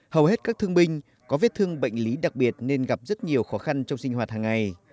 hầu hết các thương binh có vết thương bệnh lý đặc biệt nên gặp rất nhiều khó khăn trong sinh hoạt hàng ngày